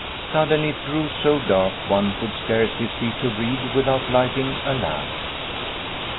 Sud denly it grew so dark one could scarcely see to read without lighting a lamp.